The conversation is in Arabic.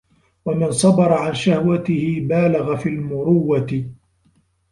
وَمَنْ صَبَرَ عَنْ شَهْوَتِهِ بَالَغَ فِي الْمُرُوَّةِ